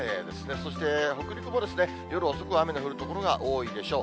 そして北陸も、夜遅く、雨の降る所が多いでしょう。